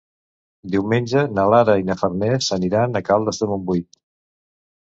Diumenge na Lara i na Farners aniran a Caldes de Montbui.